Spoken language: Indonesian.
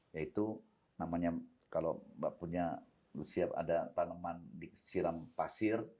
yaitu namanya kalau mbak punya siap ada tanaman disiram pasir